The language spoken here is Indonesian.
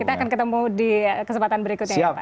kita akan ketemu di kesempatan berikutnya ya pak